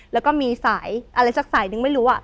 แล้วก็มีสายอะไรสักสายนึงไม่รู้